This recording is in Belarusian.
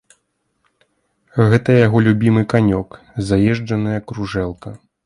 Гэта яго любімы канёк, заезджаная кружэлка.